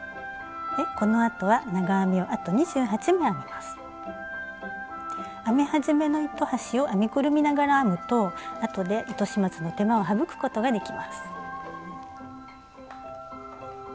このあとは編み始めの糸端を編みくるみながら編むとあとで糸始末の手間を省くことができます。